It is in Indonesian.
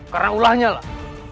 karena ulahnya lah